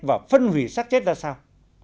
và phân hủy sát chết ra sao